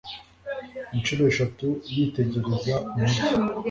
Inshuro eshatu yitegereza umujyi